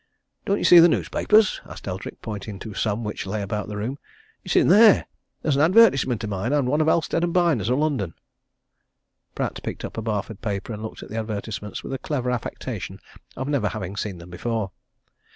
"Don't you see the newspapers?" asked Eldrick, pointing to some which lay about the room. "It's in there there's an advertisement of mine, and one of Halstead & Byner's, of London." Pratt picked up a Barford paper and looked at the advertisements with a clever affectation of having never seen them before.